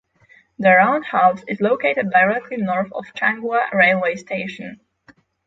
The roundhouse is located directly north of Changhua railway station.